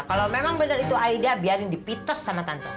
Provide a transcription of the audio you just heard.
kalo memang bener itu aida biarin dipites sama tante